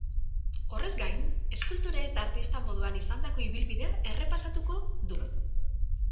Horrez gain, eskultore eta artista moduan izandako ibilbidea errepasatuko du.